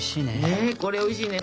ねこれおいしいね